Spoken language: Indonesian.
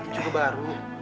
ini juga baru